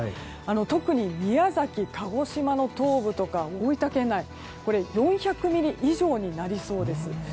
特に宮崎、鹿児島の東部とか大分県内４００ミリ以上になりそうです。